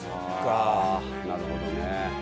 あなるほどね。